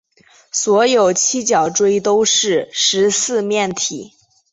所有双七角锥都是十四面体。